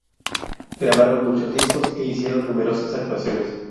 Grabaron muchos discos e hicieron numerosas actuaciones.